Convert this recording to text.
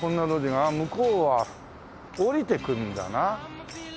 あっ向こうは下りていくんだな。